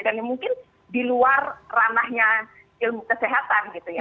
dan mungkin di luar ranahnya ilmu kesehatan gitu ya